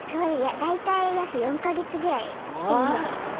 大体約４か月ぐらい全部で。